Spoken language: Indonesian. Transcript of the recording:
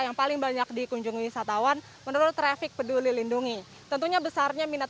yang paling banyak dikunjungi wisatawan menurut traffic peduli lindungi tentunya besarnya minat